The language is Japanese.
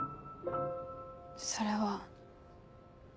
それは。